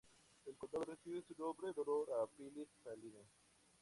El condado recibe su nombre en honor a Philip Saline.